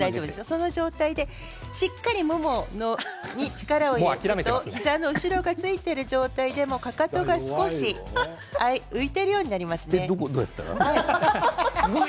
その状態でしっかりももに力を入れると、膝の後ろがついている状態で、かかとが少し浮いているようになりますね。